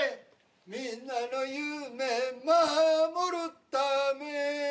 みんなの夢まもるため」